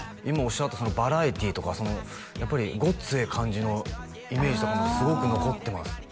今おっしゃったそのバラエティーとか「ごっつええ感じ」のイメージとかもすごく残ってます